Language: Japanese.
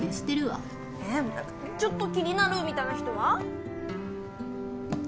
え何かちょっと気になるみたいな人は？